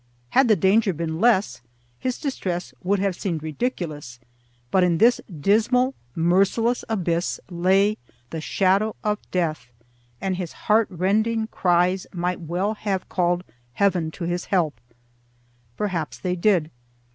Had the danger been less, his distress would have seemed ridiculous. But in this dismal, merciless abyss lay the shadow of death, and his heartrending cries might well have called Heaven to his help. Perhaps they did.